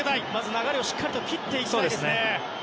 流れをしっかり切っていきたいですね。